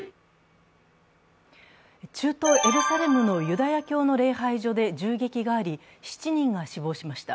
中東・エルサレムのユダヤ教の礼拝所で銃撃があり７人が死亡しました。